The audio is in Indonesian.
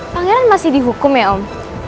pangeran masih dihukum ya om